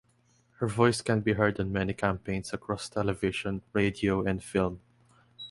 Her voice can be heard on many campaigns across television, radio and film.